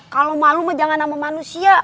kalau malu mah jangan sama manusia